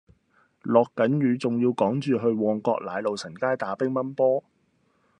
落緊雨仲要趕住去旺角奶路臣街打乒乓波